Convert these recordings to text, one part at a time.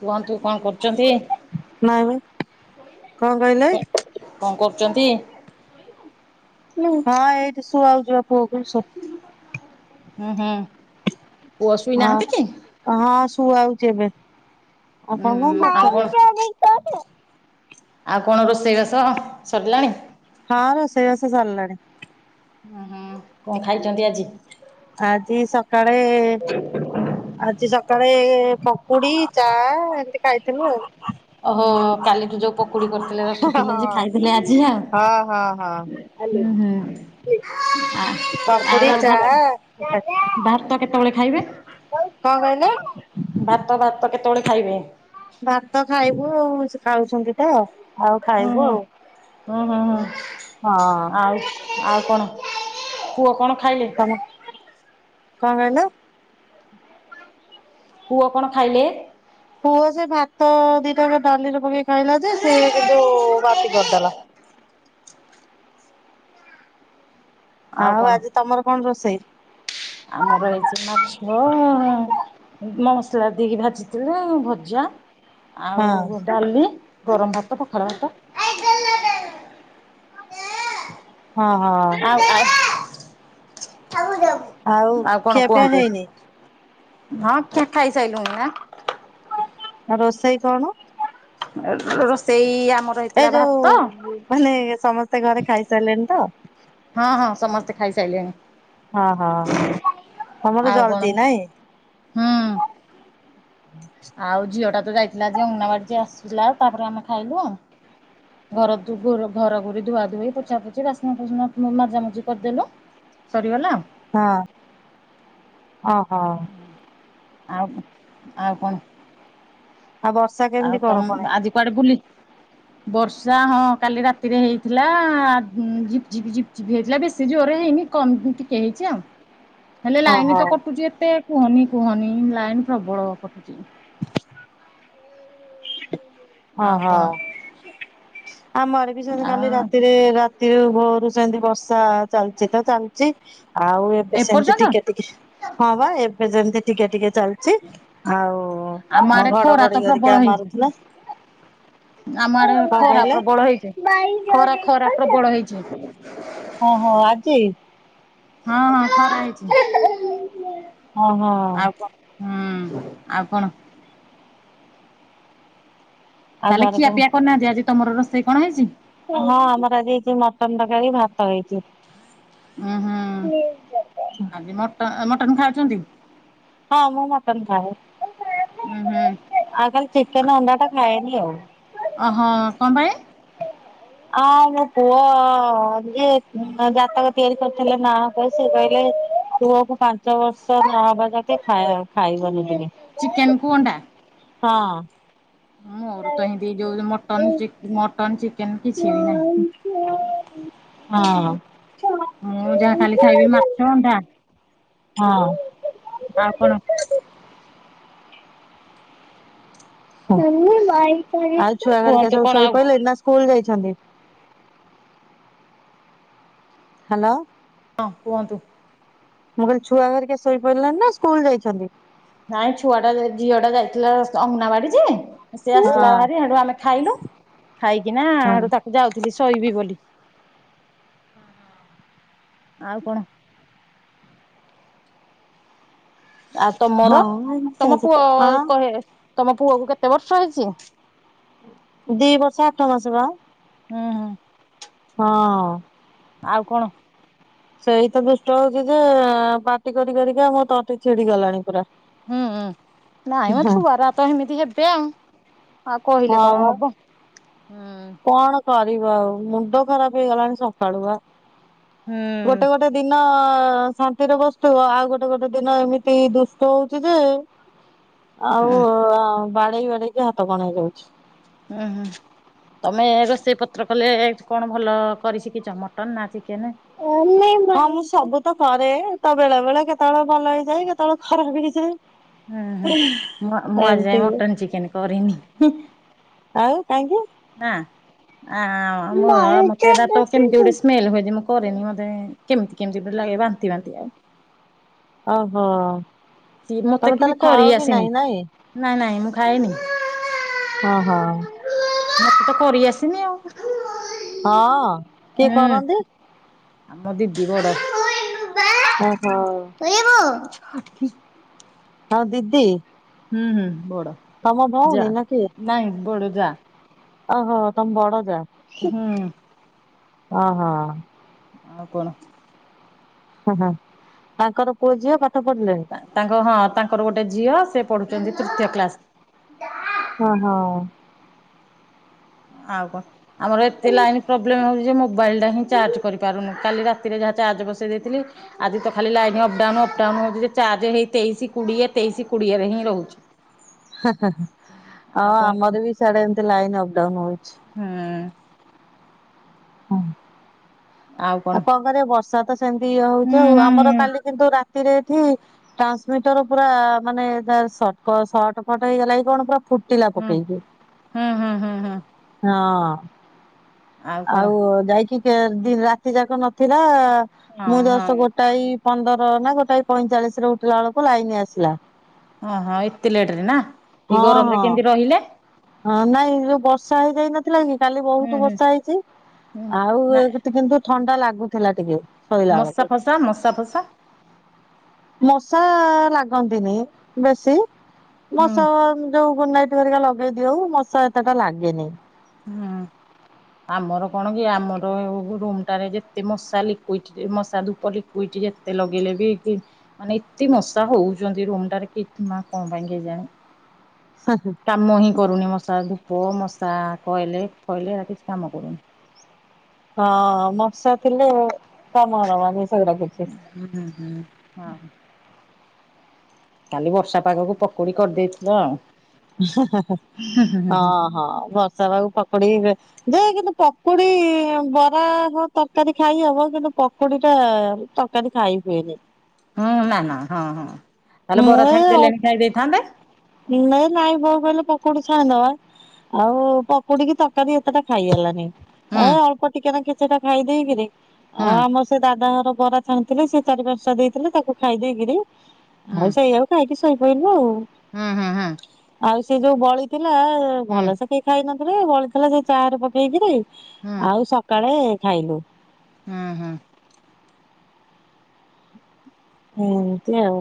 କୁହନ୍ତୁ କଣ କରୁଚନ୍ତି? ନାଇଁବା କଣ କହିଲେ? କଣ କରୁଚନ୍ତି? ହଁ ଏଇଠି ଶୁଆଉଚି ବା ପୁଅକୁ ଶୋ ଉଁ ହୁଁ। ପୁଅ ଶୁଇ ନାହାନ୍ତି କି? ହଁ ହଁ ଶୁଆଉଚି ଏବେ। ଆପଣ ଉଁ କଣ ଆଉ କରୁଚନ୍ତି? [unintelligible] ଆଉ କଣ ରୋଷେଇବାସ ସରିଲାଣି? ହଁ ରୋଷେଇ ବାସ ସରିଲାଣି। ଓ ହଁ କଣ ଖାଇଚନ୍ତି ଆଜି? ଆଜି ସକାଳେ ଆଜି ସକାଳେ ପକୁଡି, ଚା ଏମିତି ଖାଇଥିଲୁ ଆଉ। ଓହୋ କାଲିଠୁ ଯୋଉ ପ କୁଡି କରିଥିଲେ ରଖିଥିଲେ ଯେ ଆଉ। ଖାଇଥିଲେ ଆଜି ହଁ ହଁ ହଁ ଆଉ। ଉଁ ହୁଁ। ଆ-ଆଉ ଭାତ ଆ ଭାତ କେତେବେଳେ ଖାଇବେ? କହିଲେ? ଭାତ, ଭାତ କେତେବେଳେ ଖାଇବେ? ଭାତ ଖାଇବୁ ଆଉ ସେ ଖାଉଚନ୍ତି ତ। ଆଉ ଖାଇବୁ ହଁ ହଁ ଆଉ। ହଁ ହଁ ହଁ ଆଉ ଆଉ କଣ ପୁଅ କଣ ଖାଇଲେ? ତମ କଣ କହିଲ? ପୁଅ କଣ ଖାଇଲେ? ପୁଅ ସେ ଭାତ ଦିଟା ଡାଲିରେ ପକେଇକ ଖାଇଲା ଯେ ସେ କିନ୍ତୁ ବାନ୍ତି କରିଦେଲା। ଆଉ ଆଜି ତମର କଣ ରୋଷେଇ? ଆମର ହେଇଚି ମାଛ ମସଲା ଦେଇକି ଭାଜିଥିଲେ ଭଜା ହଁ ଆଉ ଡାଲି, ଗରମ ଭାତ, ପଖାଳ ଭାତ। ହଁ ହଁ ହ। ଆଉ କଣ ଖିଆପିଆ କୁହନ୍ତୁ? ହେଇନି ହଁ ଖିଆ ଖାଇ ସାଇଲୁଣି ନା। ରୋଷେଇ କଣ? ରୋଷେଇ ଆମ ଏ ଯୋଉ ମାନେ ସମସ୍ତେ ଘରେ ଖାଇସାରିଲେଣି ତ। ହଁ ହଁ ସମସ୍ତେ ଖାଇସାଇଲେଣି। ହଁ ହଁ ତମର ଆଉ କଣ ଜଲଦି ନାଇଁ। ହୁଁ। ଆଉ ଝିଅଟା ତ ଯାଇଥିଲା ଯେ ଅଙ୍ଗନାବାଡି ଯେ ଆସିଲା ତାପରେ ଆମେ ଖାଇଲୁ ଆଉ। ଘର ଧୁ [unintelligible] ଘର ଘୁରି ଧୁଆ ଧୁଇ ପୋଛା ପୋଛି ବାସନ କୁସନ ମୁ ମଜାମଜି କରିଦେଲୁ। ସରିଗଲା। ହଁ ଓ ହୋ। ଆଉ ଆଉ କଣ? ଆଉ ବର୍ଷା କେମିତି ଆଉ କଣ ତମ ପୁଣି ଆଜି କୁଆଡେ ବୁଲି? ବର୍ଷା ହଁ କାଲି ରାତିରେ ହେଇଥିଲା ଝିପ୍ ଝିପ୍ ଝିପ୍। [unintelligible] ବେଶୀ ଜୋରେ ହେଇନି କମ୍ ଟିକେ ହେଇଛି ଆଉ। ହେଲେ ଲାଇନ ଓହୋ ତ କଟୁଛି ଏତେ କୁହନି କୁହନି ଲାଇନ ପ୍ରବଳ କଟୁଛି। ଆଉ ଓହୋ। କଣ ଆମର ବି ସେମି ଆ କାଲି ରାତିରେ ରାତିରୁ ବହୁତ ସେମିତି ବର୍ଷା ଚାଲିଛି ତ ଚାଲିଛି ଆଉ ଏବେ ସେମିତି ଏପର୍ଯ୍ୟନ୍ତ ଟିକେ ଟିକେ ହଁ ବା ଏବେ ଯେମିତି ଟିକେ ଟିକେ ଚାଲିଛି। ଆମ ଆଉ ଆଡେ ଖରା ତ ଘଡଘଡି ପ୍ରବଳ କରିକା ହେଇଛି। ମାରୁଥିଲା। ଆମ ଆଡେ କଣ ଖରା କହିଲେ? ପ୍ରବଳ ହେଇଛି ଖରା ଖରା ପ୍ରବଳ ହେଇଛି। ହଁ ହଁ ଆଜି ହଁ ହଁ ଖରା ହେଇଛି। ଓହୋ ଆଉ କଣ? ହୁଁ ଆଉ କଣ? ଆଉ ତାହେଲେ ଘରେ ସବୁ ଖିଆପିଆ କରିନାହାନ୍ତି। ଆଜି ତମର ରୋଷେଇ କଣ ହେଇଛି? ହଁ ଆମର ଆଜି ହେଇଛି ମଟନ ତରକାରୀ ଭାତ ହେଇଛି। ଉୁଁ ହୁଁ, ଆଜି ମଟ ଅ ମଟନ ଖାଉଛନ୍ତି। ହଁ ମୁଁ ମଟନ ଖାଏ। ଉୁଁ ହୁଁ ଆଉ ଖାଲି ଚିକେନ ଅଣ୍ଡା ଟା ଖାଏନି ଆଉ। ଅ ହଁ କଣ ପାଇଁ? ହଁ ମୋ ପୁଅ ଯିଏ ଜାତକ ତିଆରି କରିଥିଲେ [inaudible] ସେ କହିଲେ ପୁଅକୁ ପାଞ୍ଚ ବର୍ଷ ନହବା ଯାକେ ଖାଇ ଖାଇବନି ଏବେ। ଚିକେନ କୁ ଅଣ୍ଡା। ହଁ। ଅଁ ମୋର ତହିଁ ଦିଇ ଯୋଉ ମଟନ ଚି ମଟନ ଚିକେନ କିଛି ବି ନାହିଁ। ହଁ। ହଁ। ମୁଁ ଯାହା ଖାଲି ଖାଇବି ମାଛ ଅଣ୍ଡା। ହଁ। ଆଉ କଣ? ଆଉ ଛୁଆ ହାରିକା କୁହନ୍ତୁ ସବୁ କଣ ଆଉ ଶୋଇ ପଇଲେଣି ନା ସ୍କୁଲ ଯାଇଛନ୍ତି। ହ୍ୟାଲୋ। ହଁ କୁହନ୍ତୁ। ମୁଁ କହିଲି ଛୁଆ ହାରିକା ଶୋଇପଇଲେନି ନା ସ୍କୁଲ ଯାଇଛନ୍ତି। ନାଇଁ ଛୁଆଟା ଅ ଝିଅଟା ଯାଇଥିଲା ଅଙ୍ଗନାବାଡି ଯେ ସେ ଆସିଲା ହଁ ଭାରି ହେଡୁ ଆମେ ଖାଇଲୁ, ଖାଇକିନା ହେଡୁ ତା ଯାଉଥିଲି ଶୋଇବି ବୋଲି। ଆଉ କଣ? ଆଉ ତମର, ତମ ପୁଅ ହଁ ହଁ କହେ ତମ ପୁଅ କୁ କେତେ ବର୍ଷ ହେଇଛି? ଦି ବର୍ଷ ଆଠ ମାସ ବା। ହୁଁ ହୁଁ ହଁ। ଆଉ କଣ? ସେଇ ତ ଦୁଷ୍ଟ ହଉଛି ଯେ ପାଟି କରି କରିକା ମୋ ତଟି ଛିଡି ଗଲାଣି ପୁରା। ହୁଁ ଉଁ ନାଇଁ ମ ଛୁଆର ତ ଏମିତି ହେବେ ଆଉ। ଆଉ କହିଲେ ହଁ କଣ ବା ହବ? ହୁଁ। କଣ କରିବ ଆଉ ମୁଣ୍ଡ ଖରାପ ହେଇଗଲାଣି ସକାଳୁ ଆ। ହୁଁ। ଗୋଟେ ଦିନ ଶାନ୍ତିରେ ବସଥିବ ଆଉ ଗୋଟେ ଗୋଟେ ଦିନ ଏମିତି ଦୁଷ୍ଟ ହଉଛି ଯେ ହ ଆଉ ଅ ବାଡେଇ ବାଡେଇକି ହାତ କଣେଇ ଯାଉଛି। ଉଁ ହୁଁ। ତମେ ରୋଷେଇ ପତ୍ର କଲେ କଣ ଭଲ କରି ଶିଖିଛ ମଟନ୍ ନା ଚିକେନ? ହଁ ମୁଁ ସବୁ ତ କରେ ତ ବେଳେ ବେଳେ କେତେବେଳେ ଭଲ ହେଇଯାଏ କେତେବେଳେ ଖରାପ ହେଇଯାଏ। ହୁଁ ହୁଁ ଉଁ। ମୁଁ ଆ ମୁଁ ଆଜିଯାଏଁ ଏମିତି ମଟନ ଚିକେନ କରିନି। ଆଉ କାହିଁକି? ନାଁ ଆଁ ମୁଁ ମତେ ହେଟା ତ କେମତି ଗୋଟେ ସ୍ମେଲ ହୁଏ ଯେ ମୁଁ କରେନି ମୋତେ କେମତି କେମତି ଗୋଟେ ଲାଗେ ବାନ୍ତି ବାନ୍ତି ଆଉ। ଓହୋ। ସିଏ ମତେ ତମେ କେ ବି ତାହେଲେ କରି ଖାଅ ଆସିନି ନାହିଁ ନାଇଁ? ନାଇଁ ନାଇଁ ମୁଁ ଖାଏନି। ଅହ। ମତେ ତ କରି ଆସିନି ଆଉ ହଁ କିଏ ହୁଁ କରନ୍ତି? ଆମ ଦିଦି ବଡ଼ ଦି ଏ ହଉ। [inaudible] ହଁ ଦିଦି। ହୁଁ ହୁଁ ବଡ ତମ ଯା ଭଉଣୀ ନାଇଁ ବଡ ଯା। ଅହ ତମ ବଡ ଯା। ହୁଁ। ଅ ହ। ଆଉ କଣ? ଅହ ହ ତାଙ୍କର ପୁଅ ଝିଅ ପାଠ ପଢ଼ିଲେଣି? ତାଙ୍କ ହଁ ତାଙ୍କର ଗୋଟେ ଝିଅ ସେ ପଢୁଛନ୍ତି ତୃତୀୟ କ୍ଲାସ। ଅହ। ଆଉ କଣ ଆମର ଏତେ ଲାଇନ୍ ପ୍ରୋବ୍ଲେମ ହଉଛି ମୋବାଇଲଟା ହିଁ ଚାର୍ଜ କରିପାରୁନୁ କାଲି ରା ରାତିରେ ଯାହା ଚାର୍ଜ ବସେଇ ଦେଇଥିଲି। ଆଜି ତ ଖାଲି ଲାଇନ ଅପଡାଉନ ଅପଡାଉନ ହଉ ଚାର୍ଜ ହେଇ ତେଇଶି କୋଡିଏ ତେଇଶି କୋଡିଏରେ ହିଁ ରହୁଛି। ହଁ ଆଉ କଣ ଆମର ବି ସେଆଡେ ଏମତି ଲାଇନ୍ ଅପଡାଉନ୍ ହୁଏ। ହୁଁ। ହଁ। ଆଉ କଣ କରିବାି ବର୍ଷା ତ ସେମିତି ଇଏ ହଉଛି ହୁଁ ଆଉ ହୁଁ ଆମର କାଲି କିନ୍ତୁ ରା ରାତିରେ ଏଠି ଟ୍ରାନ୍ସମିଟର ପୁରା ମାନେ ସଟଫଟ ହେଇଗଲା କି କଣ ପୁରା ଫୁଟିଲା ହୁଁ ପକେଇକି ହୁଁ ହୁଁ ହୁଁ ହୁଁ ହୁଁ ହଁ ଆଉ ଯାଇକି ଦି ରାତି ଯାକ ନଥିଲା। ହଁ ମୁଁ ଜଷ୍ଟ ହଁ ଗୋଟାଏ ପନ୍ଦର ନା ଗୋଟାଏ ପଇଁଚାଳିଶରେ ଉଠିଲା ବେଳକୁ ଲାଇନ ଆସିଲା। ଓହଁ ଏତେ ଲେଟରେ ନା ଏ ହଁ ଗରମରେ ହଁ କେମତେ ରହିଲେ? ହଁ ନାଇଁ ଯୋଉ ବର୍ଷା ହେଇଯାଇନ ଲାନି କି କାଲି ହୁଁ ବହୁତ ହୁଁ ବର୍ଷା ହେଇଛି ହୁଁ ଆଉ ନା ଏଠି କିନ୍ତୁ ଥଣ୍ଡା ଲାଗୁଥେଲା ଟିକେ ଶୋଇଲା ମଶା ଆଳକୁ ଫସା ମଶା ଫସା ମଶା ଲାଗନ୍ତିନି ବେଶୀ। ହୁଁ ମଶା ଯୋଉ ଗୁଡନାଇଟ ଘରିକା ଲଗେଇ ଦିଅଉଁ ମଶା ଏତେ ଟା ଲାଗେନି। ହଁ। ଆମର କଣ କି ଆମର ଉ ରୁମ୍ ଟାରେ ଯେତେ ମଶା ଲିକୁଇଟି ଯେ ମଶା ଧୂପ ଲିକୁଇଟି ଯେ ଏତେ ଲଗେଇଲେ ବି ଇ ମାନେ ଏତେ ମଶା ହଉଛନ୍ତି ରୁମଟାରେ କି ମା କଣ ପାଇଁ କେଜାଣି? [inaudible] କାମ ହିଁ କରୁନି ମଶା ଧୂପ ମଶା କଏଲ ଫଏଲ ଏଗରା କିଛି କାମ କରୁନି। ହଁ ହଁ ମଶା ଥିଲେ କାମ ଦବନି ସେଗରା କିଛି। ହୁଁ ହୁଁ ହଁ ହଁ। କାଲି ବର୍ଷା ପାଗକୁ ପକୁଡି କରିଦେଇଥିଲ। ହଁ ହଁ ହୁଁ ହୁଁ ହୁଁ ହୁଁ। ବର୍ଷା ପାଗକୁ ପକଡି କି ବେ ଦେ କିନ୍ତୁ ପକୁଡି ବରା ହଁ ତରକାରୀ ଖାଇ ହବ କିନ୍ତୁ ପକୁଡିଟା ତ କାରି ଖାଇ ହୁଏନି ହୁଁ ନା ନା ହଁ ହଁ ତାହେଲେ ବରା ଛାଣି ଦେଲେଣି ଖାଇ ଦେଇଥାନ୍ତେ? ନେ ନାଇଁ ବୋଉ କଇଲେ ପକୁଡି ଛାଣିଦବା। ଆଉ ପକୁଡିକି ତରକାରୀ ଏତେଟା ଖାଇହେଲାନି ହୁଁ। ଏ ଅଳ୍ପ ଟିକେନା କିଛିଟା ଖାଇ ଦେଇକିରି ହୁଁ ଅ ଆମର ସେ ଦାଦା ଘର ବରା ଛାଣିଥିଲେ ସେ ଚାରି ପାଞ୍ଚଟା ଦେଇଥିଲେ ତାକୁ ଖାଇ ଦେଇକିରି ହୁଁ ଆଉ ସେଇଆକୁ ଖାଇକି ଶୋଇପଇଲୁ ହୁଁ ହୁଁ ହୁଁ ଆଉ ସେ ଯୋଉ ବଳି ଥିଲା ହୁଁ ଭଲସେ କେହି ଖାଇ ନଥିଲେ ବଳିଥିଲା ସେଇ ଚାରେ ପକେଇକିରି ହୁଁ ଆଉ ସକାଳେ ଖାଇଲୁ। ଉଁ ହୁଁ। ଏମତି ଆଉ।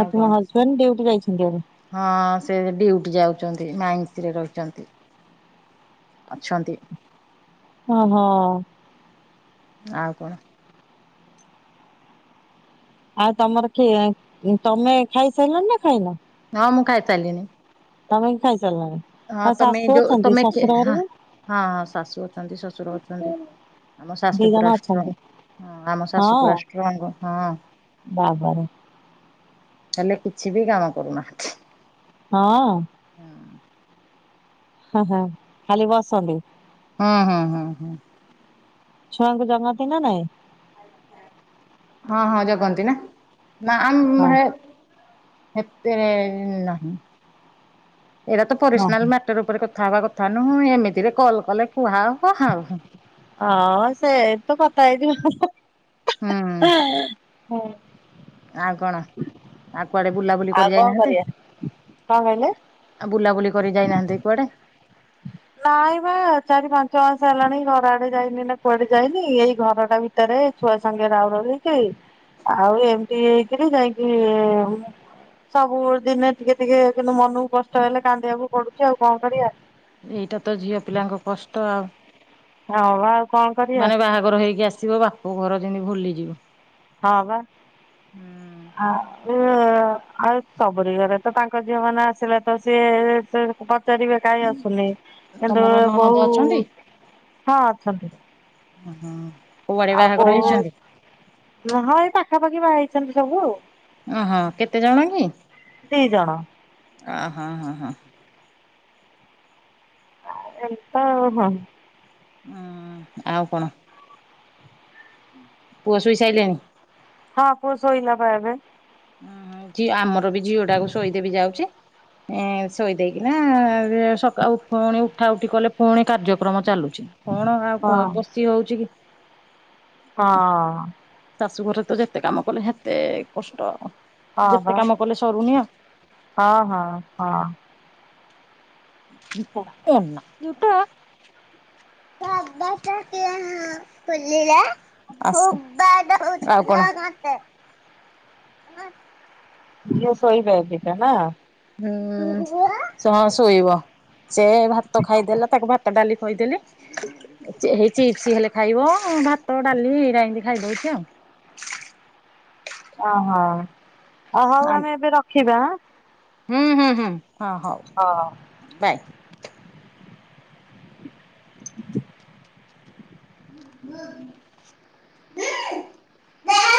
ଆ କଣ? ତୁମ ହଜବେଣ୍ଡ୍ ଡିଉଟି ଯାଇଛନ୍ତି ଏବେ? ହଁ ସେ ଡିଉଟି ଯାଉଚନ୍ତି ମାଇନ୍ସିରେ ରହିଚନ୍ତି। ଅଛନ୍ତି। ଅହ। ଆଉ କଣ? ଆଉ ତମର କିଏ ତମେ ଖାଇସାଇଲଣି ନା ଖାଇନ? ହଁ ମୁଁ ଖାଇ ସାରଲିିଣି। ତମେ ବି ଖାଇ ସାରଲଣି? ହଁ ତମେ ଯୋଉ ତମେ କେ ହଁ ହଁ ହଁ ଶାଶୁ ଅଛନ୍ତି ଶଶୁର ଅଛନ୍ତି। ଆମ ଦି ଶାଶୁ ଜଣ ପୁରାଷ୍ଟ୍ରଙ୍ଗ୍ ଅଛନ୍ତି ହଁ ଆମ ଶାଶୁ ହଁ ପୁରାଷ୍ଟ୍ରଙ୍ଗ ହଁ। ବାବାରେ! ହେଲେ କିଛି ବି କାମ କରୁନାହାନ୍ତି। ହଁଅ? ହଁ ହଁ ଖାଲି ବସନ୍ତି? ହୁଁ ହୁଁ ହୁଁ ହୁଁ। ଛୁଆଙ୍କୁ ଜଗଁନ୍ତି ନାଁ ନାଇଁ? ହଁ ହଁ ଜଗନ୍ତି ନାଁ ନାଁ ଆମ ହଁ ହେ ହେତେ ଇ ନାହିଁ ଏଟା ତ ହଁ ପରିସନାଲ୍ ମ୍ୟା ଟର ଓପରେ କଥା ହବା କଥା ନୁହଁ ଏମିତିରେ କଲ୍ କଲେ କୁହା ହବ ଆଉ। ହଁ ସେ ତ କଥା ହେଇଯିବା ହୁଁ ହେଁ। ଆଉ କଣ ଆଉ କୁଆଡ଼େ ବୁଲାବୁଲି ଆଉ କରି କଣ ଯାଇନାହାନ୍ତି? କରିବା କଣ କହିଲେ? ଆ ବୁଲାବୁଲି କରି ଯାଇନାହାନ୍ତି କୁଆଡ଼େ? ନାଇଁ ବା ଚାରି ପାଞ୍ଚ ମାସ ହେଲାଣି ଘର ଆଡ଼େ ଯାଇନି ନା କୁଆଡ଼େ ଯାଇନି ଏଇ ଘରଟା ଭି ତରେ ଛୁଆ ସାଙ୍ଗେ ରାଉ ରାଉ ହେଇକି ଆଉ ଏମତି ହେଇକିରି ଯାଇଁକି ମୁଁ ସବୁ ଦିନେ ଟିକେ ଟିକେ କିନ୍ତୁ ମନୁକୁ କଷ୍ଟ ହେଲେ କାନ୍ଦିବାକୁ ପଡ଼ୁଚି ଆଉ କଁ କରିଆ? ଏଇଟା ତ ଝିଅ ପିଲାଙ୍କ କଷ୍ଟ ଆଉ ହଁ ବା। କଣ କରିବା ମାନେ ବାହାଘର ହେଇକି ଆସିବ ବାପ ଘର ଯେନ୍ତି ଭୁଲିଯିବ। ହଁ ବା ହୁଁ। ଆ ଉ ଆଉ ସବୁରି ଘରେ ତ ତାଙ୍କ ଝିଅମାନେ ଆସିଲେ ତ ସିଏ ଏତେ ବା ପଚାରିବେ କାହିଁ ଆସୁନି କିନ୍ତୁ ତମର ଏ ନଣନ୍ଦ ବହୁ ଅଛନ୍ତି ହଁ ଅଛନ୍ତି। ଉଁ ହୁଁ। ଆଉ ବୋହୁ ନୁ ହଁ ଏଇ ପାଖାପାଖି ବା ହେଇଛନ୍ତି ସବୁ ଆଉ। ଓହୋ କେତେ ଜଣ କି ଦି ଜଣ ଅହ ହଁ ହଁ। ଆ ଏନ୍ତା ଆଉ ହଁ। ଉଁ ଆଉ କଣ? ପୁଅ ଶୋଇ ସାଇଲାଣି? ହଁ ପୁଅ ଶୋଇଲା ପା ଏବେ। ଉଁ ହୁଁ ଝି ଆମର ବି ଝିଅଟାକୁ ଶୋଇଦେବି ଯାଉଚି। ଏଁ ଶୋଇଦେଇକିନା ବି ସକା ଆଉ ପୁଣି ଉଠା ଉଠି କଲେ ପୁଣି କାର୍ଯ୍ୟକ୍ରମ ଚାଲୁଚି। କଣ ଆଉ ହଁ କ ବସି ହଉଛି କି? ହଁ‌। ଶାଶୁ ଘରେ ତ ଯେତେ କାମ କଲେ ହେତେ କଷ୍ଟ। ହଁ ବା ଯେତେ କାମ କଲେ ସରୁନି ଆଉ। ହଁ ହଁ ହଁ। ଏ ନତୁଟା ତବାଟ କିଏ ହ ଖୋଲିଲା? ଅସ୍ ଆଉ କଣ? ଝିଅ ଶୋଇବେ ଏବେକା ନା? ହୁଁ ସେ ହଁ ଶୋଇବ ସିଏ ଭାତ ଖାଇଦେଲା ତାକୁ ଭା ତ, ଡାଲି ଖୋଇଦେଲି ଚି ହେଇଚି ସିଏ ହେଲେ ଖାଇବ ଭାତ ଡାଲି ହେଇରା ଏମତି ଖାଇଦୋଉଚି ଆଉ। ଓହୋ ଆ ହୋଉ ଆମେ ଏବେ ରଖିବା ଆଁ। ହୁଁ ହୁଁ ହୁଁ ହଁ ହୋଉ ହଁ। ବାଏ। [inaudible] [inaudible]